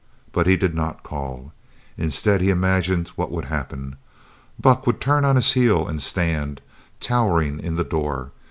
But he did not call. Instead he imagined what would happen. Buck would turn on his heel and stand, towering, in the door.